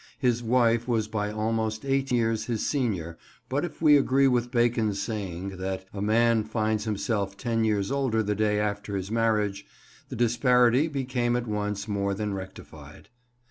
His wife was by almost eight years his senior, but if we agree with Bacon's saying, that a man finds himself ten years older the day after his marriage, the disparity became at once more than rectified.